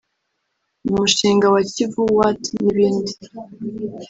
Umushinga wa Kivu watt n’ibindi